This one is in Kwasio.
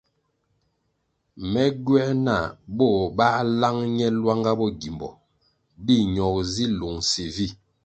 Me gywē nah bo bā lang ne lwanga bo gimbo di ñogo zi lungsi vi.